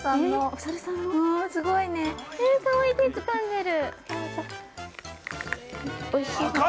◆おいしい？